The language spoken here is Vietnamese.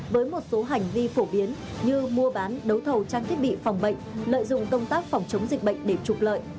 với một số hành vi phổ biến như mua bán đấu thầu trang thiết bị phòng bệnh lợi dụng công tác phòng chống dịch bệnh để trục lợi